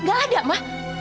gak ada ma